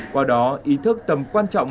qua đó ý thức tầm quan trọng